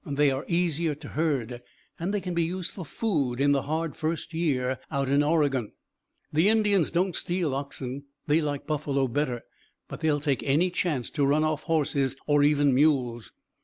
They are easier to herd. They can be used for food in the hard first year out in Oregon. The Indians don't steal oxen they like buffalo better but they'll take any chance to run off horses or even mules.